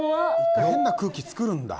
変な空気作るんだ。